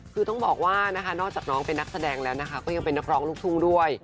คือต้องบอกว่านะคะนอกจากน้องเป็นนักแสดงแล้วนะคะก็ยังเป็นนักร้องลูกทุ่งด้วย